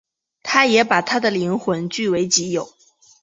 他也把她的灵魂据为己有。